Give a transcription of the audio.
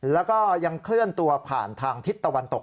แล้วก็ยังเคลื่อนตัวผ่านทางทิศตะวันตก